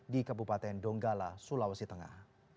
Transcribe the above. di kabupaten donggala sulawesi tengah